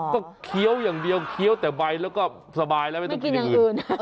ก็เคี้ยวอย่างเดียวเคี้ยวแต่ใบแล้วก็สบายแล้วไม่ต้องกินอย่างอื่น